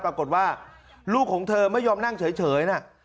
ปรากฏว่าลูกของเธอไม่ยอมนั่งเฉยนะ